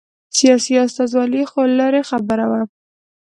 سیاسي استازولي خو لرې خبره وه.